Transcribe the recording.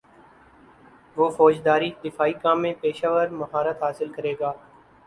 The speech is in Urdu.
وہ فوجداری دفاعی کام میں پیشہور مہارت حاصل کرے گا